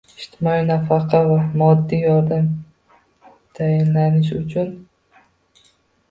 Ijtimoiy nafaqa va moddiy yordam tayinlanishi uchun